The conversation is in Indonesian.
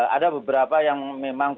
ada beberapa yang memang belum divaksin lengkap